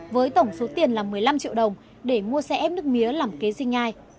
với tổng số tiền là một mươi năm triệu đồng để mua xe ép nước mía làm kế sinh nhai